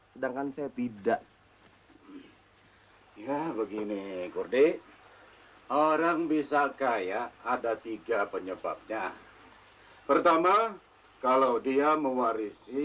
sedangkan saya tidak ya begini kurdi orang bisa kaya ada tiga penyebabnya pertama kalau dia mewarisi